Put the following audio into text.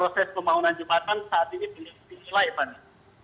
proses pembangunan jumatan saat ini belum berjalan fani